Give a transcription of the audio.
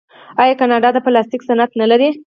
آیا کاناډا د پلاستیک صنعت نلري؟